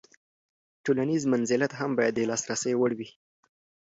تولنیز منزلت هم باید د لاسرسي وړ وي.